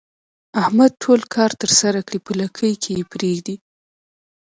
احمد ټول کار ترسره کړي په لکۍ کې یې پرېږدي.